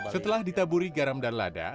setelah ditaburi garam dan lada